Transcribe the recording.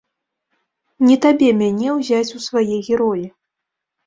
Не табе мяне ўзяць у свае героі.